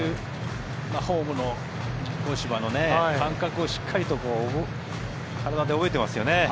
ホームの人工芝の感覚をしっかりと体で覚えていますよね。